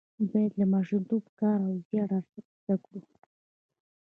باید له ماشومتوبه د کار او زیار ارزښت زده کړو.